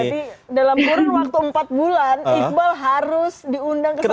berarti dalam kurun waktu empat bulan iqbal harus diundang ke sana